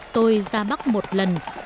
tôi ra bắc một lần